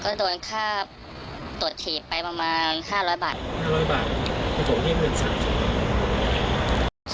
ก็โดนค่าตรวจเขียบไปประมาณห้าร้อยบาทห้าร้อยบาทหรือผมเรียกหนึ่งสามสอง